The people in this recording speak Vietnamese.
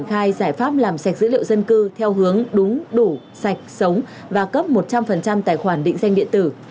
khai giải pháp làm sạch dữ liệu dân cư theo hướng đúng đủ sạch sống và cấp một trăm linh tài khoản định danh điện tử